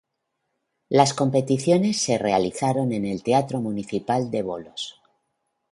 Las competiciones se realizaron en el Teatro Municipal de Volos.